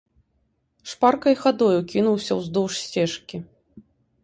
Шпаркай хадою кінуўся ўздоўж сцежкі.